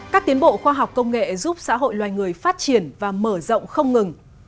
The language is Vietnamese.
các tiến bộ khoa học công nghệ giúp xã hội loài người phát triển và mở rộng không ngừng